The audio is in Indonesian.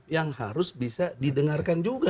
yang harus bisa didengarkan juga